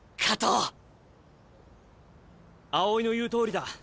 青井の言うとおりだ。